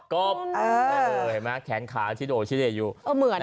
กบเห็นไหมแขนขาชิดโอชิดเดชอยู่